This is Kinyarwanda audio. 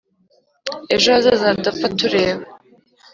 Ejo hazaza hadapfa tureba